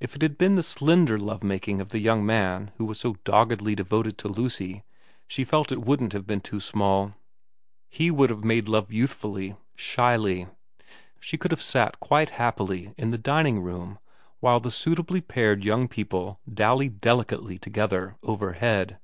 If it had been the slender love making of the young man who was so doggedly devoted to Lucy, she felt it wouldn't have been too small. He would have made love youthfully, shyly. She could have sat quite happily in the dining room 96 VERA ix while the suitably paired young people dallied delicately together overhead.